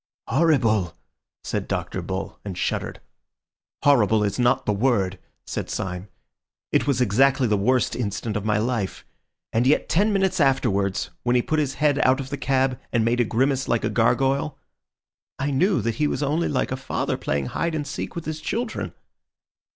"Horrible!" said Dr. Bull, and shuddered. "Horrible is not the word," said Syme. "It was exactly the worst instant of my life. And yet ten minutes afterwards, when he put his head out of the cab and made a grimace like a gargoyle, I knew that he was only like a father playing hide and seek with his children."